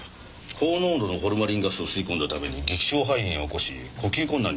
高濃度のホルマリンガスを吸い込んだために劇症肺炎を起こし呼吸困難に陥ったようです。